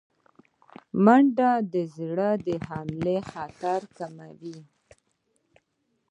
منډه د زړه د حملې خطر کموي